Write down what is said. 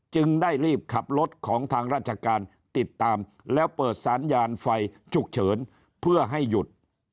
จึงได้รีบขับรถของทางราชการติดตามแล้วเปิดสัญญาณไฟฉุกเฉินเพื่อให้หยุด